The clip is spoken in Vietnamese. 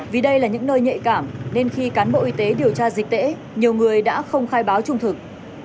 vì đây là những nơi nhạy cảm nên khi cán bộ y tế điều tra dịch tễ nhiều người đã không khai báo trung thực